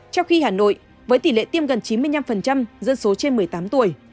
trong khi hà nội với tỷ lệ tiêm gần chín mươi năm dân số trên một mươi tám tuổi